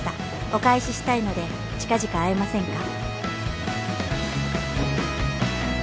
「お返ししたいので近々会えませんか？」